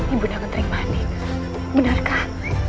ibu nda kentering mani benarkah